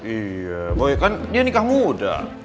iya bahwa kan dia nikah muda